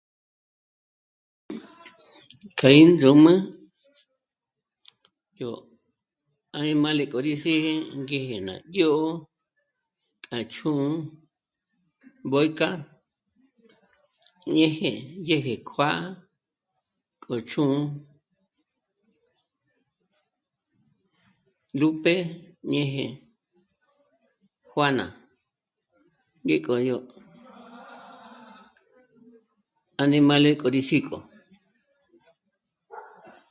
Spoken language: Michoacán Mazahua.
"K'a índzǔm'ü yó añimále k'o rí sígi ngéje ná dyó'o k'a chū̌'ū, mbó'ík'a ñeje, yéje kjuá'a, k'o chū̌'ū ""Lupe"" ñeje ""Juana"" ngék'o yó añimále k'o rí sík'o"